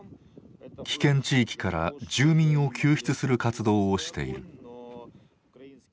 危険地域から住民を救出する活動をしている。